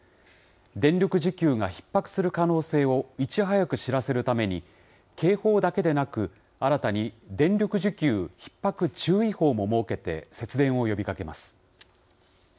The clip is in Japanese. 電力需給がひっ迫する可能性をいち早く知らせるために、警報だけでなく、新たに電力需給ひっ迫注意報も設けて、節電を呼びかけます。